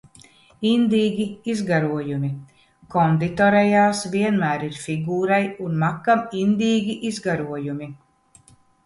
Indīgi izgarojumi. Konditorejās vienmēr ir figūrai un makam indīgi izgarojumi!